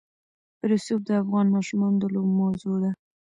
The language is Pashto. رسوب د افغان ماشومانو د لوبو موضوع ده.